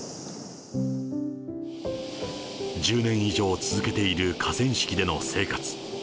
１０年以上続けている河川敷での生活。